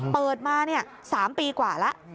เปิดมา๓ปีกว่าแล้ว